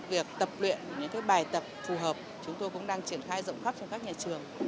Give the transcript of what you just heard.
việc tập luyện những bài tập phù hợp chúng tôi cũng đang triển khai rộng khắp cho các nhà trường